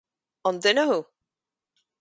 An duine thú?